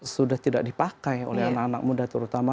sudah tidak dipakai oleh anak anak muda terutama